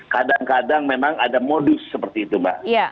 kadang kadang memang ada modus seperti itu mbak